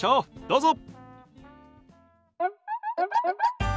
どうぞ。